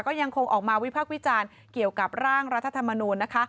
ก็ยังคงออกมาวิพักษ์วิจารณ์เกี่ยวกับร่างรัฐธรรมนูญนะคะ